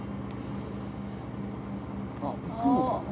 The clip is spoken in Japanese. あっ行くのかな？